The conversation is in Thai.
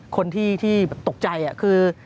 คนที่ตกใจคือ